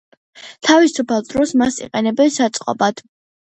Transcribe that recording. თავისუფალ დროს მას იყენებენ საწყობად.